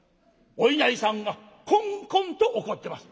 お稲荷さんがコンコンと怒ってます」。